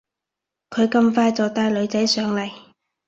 佢咁快就帶女仔上嚟